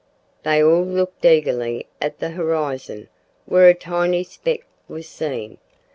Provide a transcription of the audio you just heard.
They all looked eagerly at the horizon, where a tiny speck was seen.